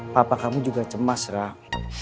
papa kamu juga cemas rak